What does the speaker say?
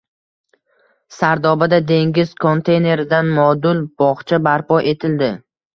Sardobada dengiz konteyneridan modul bog‘cha barpo etildi